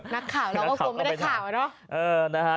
นักข่าวเราก็กลัวไม่ได้ข่าวอะเนาะ